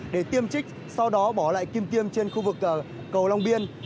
để tiêm trích sau đó bỏ lại kim tiêm trên khu vực cầu long biên